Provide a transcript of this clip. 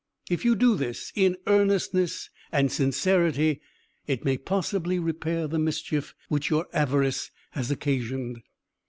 If you do this in earnestness and sincerity, it may possibly repair the mischief which your avarice has occasioned."